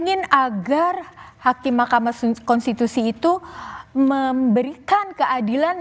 ingin agar hakim mahkamah konstitusi itu memberikan keadilan